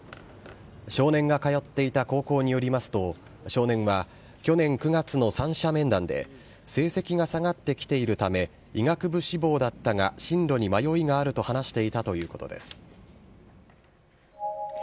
少年が通っていた高校によりますと、少年は去年９月の三者面談で、成績が下がってきているため、医学部志望だったが、進路に迷いがあると話していたということです。